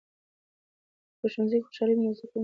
که په ښوونځي کې خوشالي وي نو زده کوونکي هڅول کېږي.